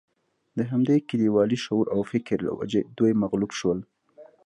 د همدې کلیوالي شعور او فکر له وجې دوی مغلوب شول.